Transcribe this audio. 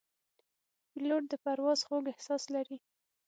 پیلوټ د پرواز خوږ احساس لري.